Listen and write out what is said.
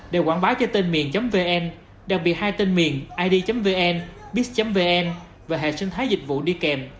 để quảng bá cho tên miền vn đặc biệt hai tên miền id vn bix vn và hệ sinh thái dịch vụ đi kèm